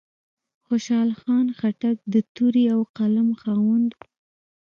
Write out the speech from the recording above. خوشحال خان خټک د تورې او قلم خاوند و.